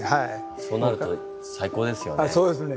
そうなると最高ですよね。